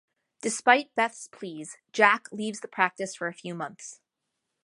Despite Beth's pleas Jack leaves the practice for a few months.